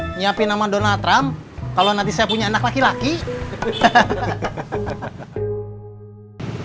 hai nyiapin nama donald trump ya kalau nanti saya punya anak laki laki hahaha